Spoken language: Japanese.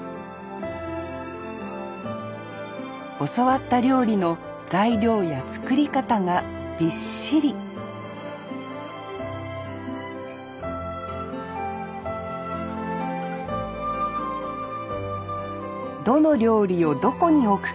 教わった料理の材料や作り方がびっしりどの料理をどこに置くか